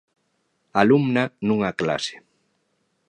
Alumna nunha clase.